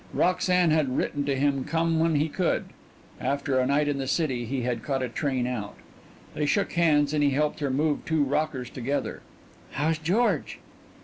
Roxanne had written him to come when he could after a night in the city he had caught a train out. They shook hands and he helped her move two rockers together. "How's George?"